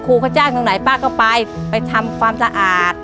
เขาจ้างตรงไหนป้าก็ไปไปทำความสะอาด